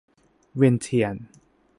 เวียนเทียน